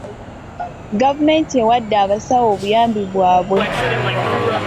Gavumenti ewadde abasawo obuyambi bwabwe.